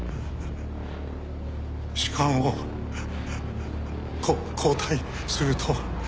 主幹をこ交代すると。